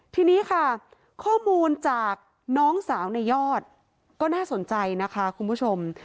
ทีนี้ค่ะข้อมูลจากน้องสาวในยอดก็น่าสนใจนะคะคุณผู้ชม